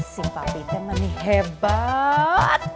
si papi teh menih hebat